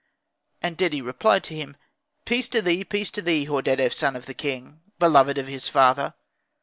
And Dedi replied to him, "Peace to thee! Peace to thee! Hordedef, son of the king, beloved of his father.